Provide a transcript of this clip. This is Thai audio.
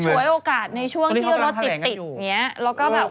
คือชวยโอกาสในช่วงที่เราติดเนี่ยแล้วก็แบบว่า